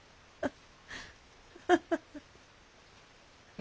ハハハハ。